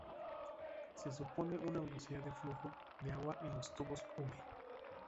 Se supone una velocidad de flujo de agua en los tubos v.